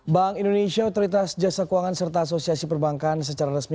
bank indonesia otoritas jasa keuangan serta asosiasi perbankan secara resmi